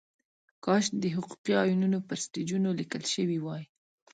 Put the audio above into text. کاش د حقوقي ایوانونو پر سټیجونو لیکل شوې وای.